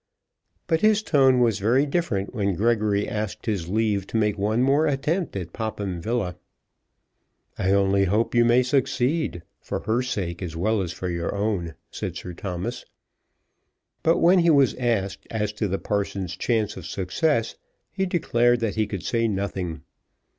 But his tone was very different when Gregory asked his leave to make one more attempt at Popham Villa. "I only hope you may succeed, for her sake, as well as for your own," said Sir Thomas. But when he was asked as to the parson's chance of success, he declared that he could say nothing.